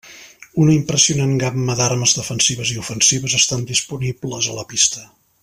Una impressionant gamma d’armes defensives i ofensives estan disponibles a la pista.